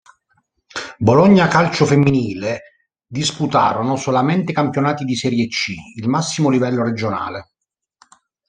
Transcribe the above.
Bologna Calcio Femminile, disputarono solamente campionati di Serie C, il massimo livello regionale.